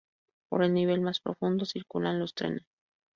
Por el nivel más profundo circulan los trenes.